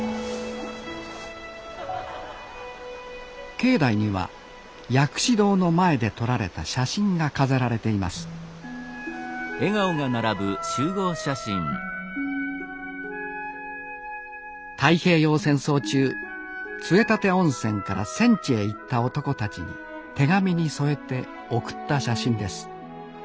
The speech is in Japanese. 境内には薬師堂の前で撮られた写真が飾られています太平洋戦争中杖立温泉から戦地へ行った男たちに手紙に添えて送った写真です。